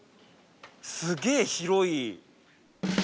すげえ広い！